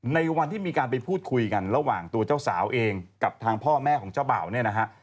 ในวันที่มีการไปพูดคุยกันระหว่างตัวเจ้าสาวเองกับทางพ่อแม่ของเจ้าบ่าวเนี่ยนะฮะ